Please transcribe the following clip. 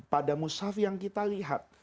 pada musyaf yang kita lihat